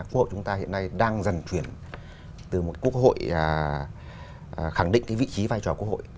quốc hội chúng ta hiện nay đang dần chuyển từ một quốc hội khẳng định cái vị trí vai trò quốc hội